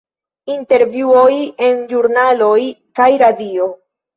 Intervjuoj en ĵurnaloj kaj radio.